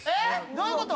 どういうこと？